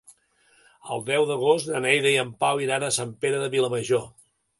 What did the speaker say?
El deu d'agost na Neida i en Pau iran a Sant Pere de Vilamajor.